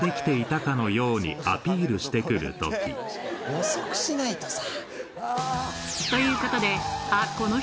予測しないとさ。